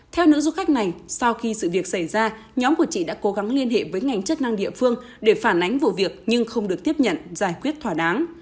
theo nữ du khách này sau khi sự việc xảy ra nhóm của chị đã cố gắng liên hệ với ngành chức năng địa phương để phản ánh vụ việc nhưng không được tiếp nhận giải quyết thỏa đáng